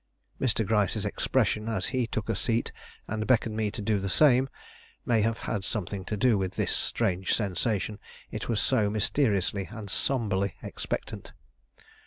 Mr. Gryce's expression, as he took a seat and beckoned me to do the same, may have had something to do with this strange sensation, it was so mysteriously and sombrely expectant.